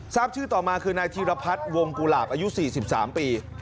ทราบชื่อต่อมาคือนายธีรพัฒน์วงกุหลาบอายุ๔๓ปี